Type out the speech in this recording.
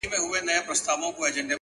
كړۍ .!كړۍ لكه ځنځير ويده دی.!